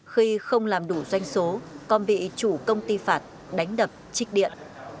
khi không làm đủ doanh số con bị chủ công ty phạt đánh đập trích điện